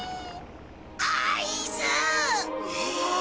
アイス！わ。